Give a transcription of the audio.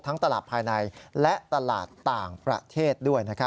ตลาดภายในและตลาดต่างประเทศด้วย